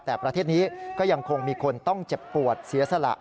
แต่ประเทศนี้ก็ยังคงมีคนต้องเจ็บปวดเสียสละ